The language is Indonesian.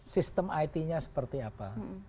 sistem it nya seperti apa